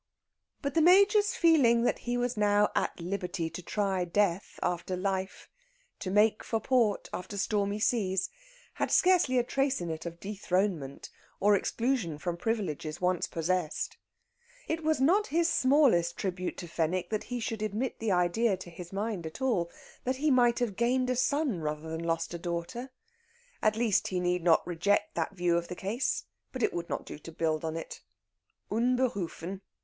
But the Major's feeling that he was now at liberty to try Death after Life, to make for port after stormy seas, had scarcely a trace in it of dethronement or exclusion from privileges once possessed. It was not his smallest tribute to Fenwick that he should admit the idea to his mind at all that he might have gained a son rather than lost a daughter. At least, he need not reject that view of the case, but it would not do to build on it. _Unberufen!